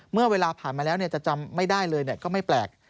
เมื่อเวลาผ่านมาแล้วจะจำไม่ได้เลยก็ไม่แปลก